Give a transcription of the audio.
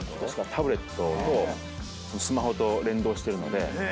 タブレットとスマホと連動してるので。